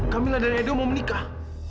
kamilah dan edo mau menikah